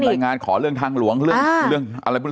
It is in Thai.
ตามด่ายงานขอเรื่องทางหลวงเรื่องอะไรบ้าง